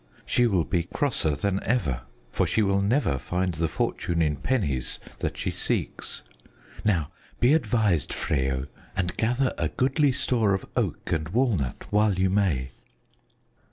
She will be crosser than ever, for she will never find the fortune in pennies that she seeks. Now be advised, Freyo, and gather a goodly store of oak and walnut while you may."